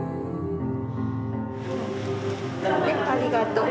ありがとう。